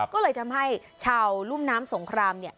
ก็เลยทำให้ชาวรุ่มน้ำสงครามเนี่ย